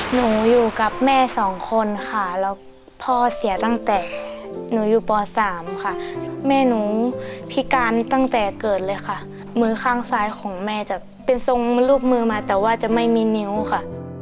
หนูอยู่กับแม่สองคนค่ะแล้วพ่อเสียตั้งแต่หนูอยู่ป๓ค่ะแม่หนูพิการตั้งแต่เกิดเลยค่ะมือข้างซ้ายของแม่จะเป็นทรงรูปมือมาแต่ว่าจะไม่มีนิ้วค่ะ